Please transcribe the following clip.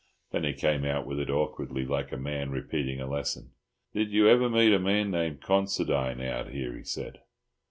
Then he came out with it awkwardly, like a man repeating a lesson. "Did you ever meet a man named Considine out here?" he said.